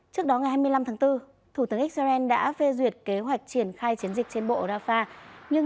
trước đó ngày hai mươi năm tháng bốn thủ tướng israel đã phê duyệt kế hoạch triển khai chiến dịch trên bộ rafah nhưng chưa cho phép quân đội hành động